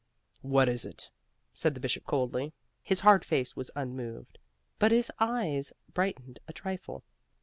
"What is it?" said the Bishop coldly. His hard face was unmoved, but his eyes brightened a trifle.